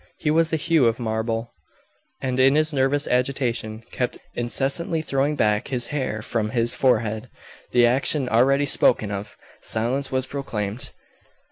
He was the hue of marble, and, in his nervous agitation, kept incessantly throwing back his hair from his forehead the action already spoken of. Silence was proclaimed.